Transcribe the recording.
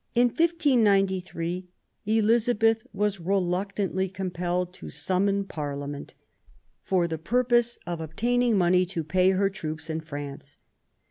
In 1593 Elizabeth was reluctantly compelled to summon Parliament for the purpose of obtaining money to pay her troops in France.